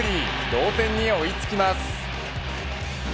同点に追いつきます。